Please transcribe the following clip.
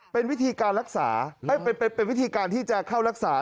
เป็นวิธีการที่ถ้าจะเข้าลักษา